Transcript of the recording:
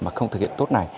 mà không thực hiện tốt này